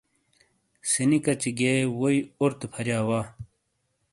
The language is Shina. سِینی کَچی گِئیے ووئی اورتے پھَرِیا وا۔